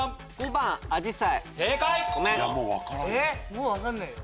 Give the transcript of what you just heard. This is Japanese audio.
もう分かんないよ。